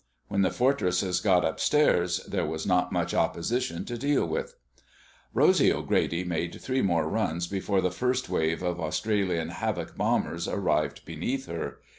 When the Fortresses got "upstairs" there was not much opposition to deal with. Rosy O'Grady made three more runs before the first wave of Australian Havoc bombers arrived beneath her.